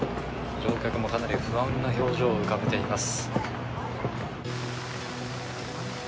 乗客もかなり不安な表情を浮かべています。